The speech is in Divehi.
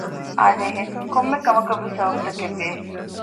އާދޭހެވެ! ކޮންމެ ކަމަކަށްވެސް ސަބަބުތަކެއްވެ